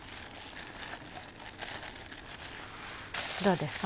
どうですか？